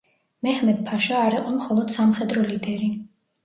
მეჰმედ-ფაშა არ იყო მხოლოდ სამხედრო ლიდერი.